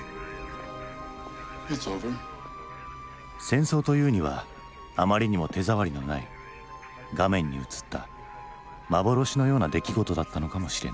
戦争というにはあまりにも手触りのない画面に映った幻のような出来事だったのかもしれない。